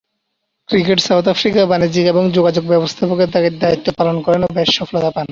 Cricket south আফ্রিকার বাণিজ্যিক এবং যোগাযোগ ব্যবস্থাপকের দায়িত্ব পালন করেন ও বেশ সফলতা পান।